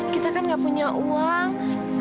kita kan nggak punya uang